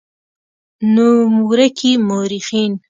نومورکي مؤرخين